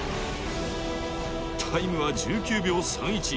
タイムは１９秒３１。